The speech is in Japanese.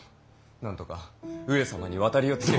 なんとか上様に渡りをつける。